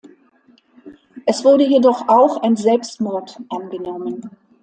Es wurde jedoch auch ein Selbstmord angenommen.